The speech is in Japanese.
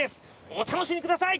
お楽しみください。